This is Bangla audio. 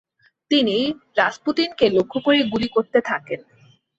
তিনি রাসপুতিনকে লক্ষ্য করে গুলি করতে থাকেন।